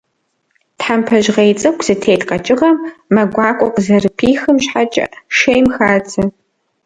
Тхьэмпэ жьгъей цӏыкӏу зытет къэкӏыгъэм мэ гуакӏуэ къызэрыпихым щхьэкӏэ, шейм хадзэ.